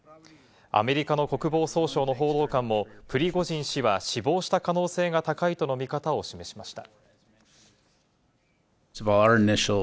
アメリカの国防総省の報道官もプリゴジン氏は死亡した可能性が高いとの見方を示しました。